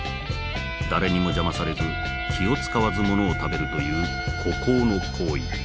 誰にも邪魔されず気を遣わずものを食べるという孤高の行為。